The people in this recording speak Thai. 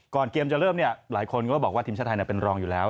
ก่อนเกมจะเริ่มหลายคนก็ว่าบอกว่าทีมช่วยภาพไทยเป็นรองอยู่แล้ว